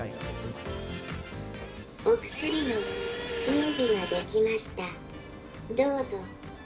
お薬の準備ができました。